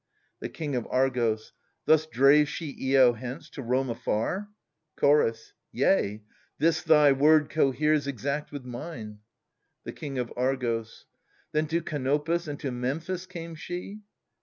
The King of Argos. Thus drave she lo hence, to roam afar ? Chorus. / Yea — this thy word coheres exact with mine. / The King of Argos. Then to Canopus and to Memphis came she